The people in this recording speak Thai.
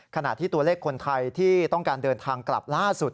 ขณะที่ตัวเลขคนไทยที่ต้องการเดินทางกลับล่าสุด